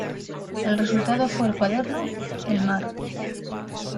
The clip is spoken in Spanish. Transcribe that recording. El resultado fue el cuaderno El mar.